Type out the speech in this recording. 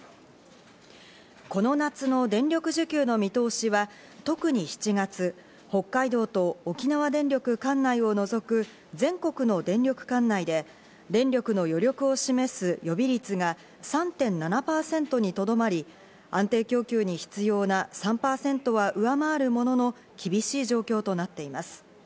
この夏の電力需給の見通しは、特に７月、北海道と沖縄電力管内を除く全国の電力管内で、電力の余力を示す予備率が３．７％にとどまり、安定供給に必要な３％は上回るものの、厳しい状況となっています。